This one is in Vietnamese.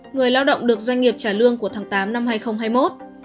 người lao động được doanh nghiệp trả lương của tháng tám năm hai nghìn hai mươi một